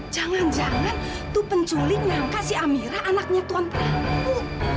jangan jangan itu penculik yang kasih amirah anaknya tuan prabu